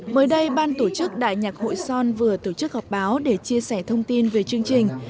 mới đây ban tổ chức đại nhạc hội son vừa tổ chức họp báo để chia sẻ thông tin về chương trình